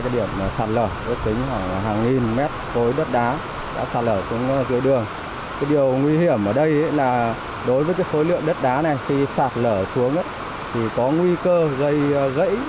điều nguy hiểm ở đây là đối với cái khối lượng đất đá này khi sạt lở xuống thì có nguy cơ gây gãy